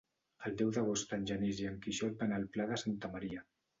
El deu d'agost en Genís i en Quixot van al Pla de Santa Maria.